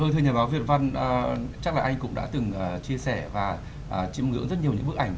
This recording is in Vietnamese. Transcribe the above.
thưa nhà báo việt văn chắc là anh cũng đã từng chia sẻ và chiêm ngưỡng rất nhiều những bức ảnh